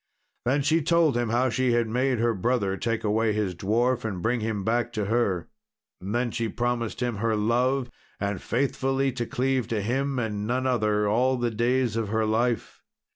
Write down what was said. Then she told him how she had made her brother take away his dwarf and bring him back to her. And then she promised him her love, and faithfully to cleave to him and none other all the days of her life.